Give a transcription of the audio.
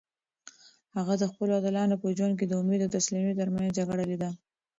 هغه د خپلو اتلانو په ژوند کې د امید او تسلیمۍ ترمنځ جګړه لیده.